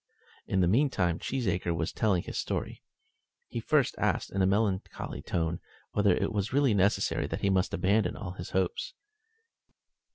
In the meantime Cheesacre was telling his story. He first asked, in a melancholy tone, whether it was really necessary that he must abandon all his hopes.